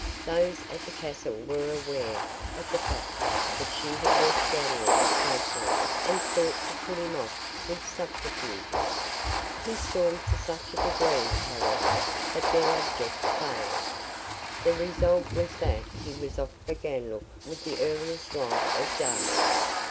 Those at the castle were aware of the fact that she had reached Ganlook safely and sought to put him off with subterfuges. He stormed to such a degree, however, that their object failed. The result was that he was off for Ganlook with the earliest light of day.